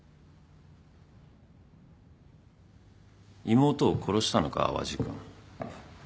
妹を殺したのか淡路君。何で？